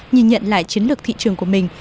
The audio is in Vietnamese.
nhìn nhận lại chiến lược thị trường của mình